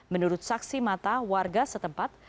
menurut saksi mata warga setempat